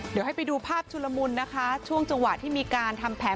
เดี๋ยวให้ไปดูภาพชุลมุนนะคะช่วงจังหวะที่มีการทำแผน